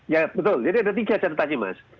ya betul jadi ada tiga caranya tadi mas